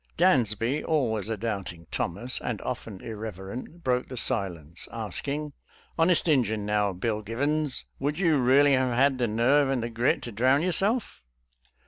Dansby, always a doubting Thomas, and often irreverent, broke the silence, asking: " Honest Injin, now. Bill Givens, would you really have had the nerve and the grit to drown yourself.?